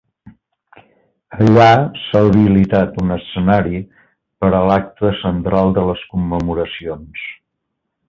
Allà s’ha habilitat un escenari per a l’acte central de les commemoracions.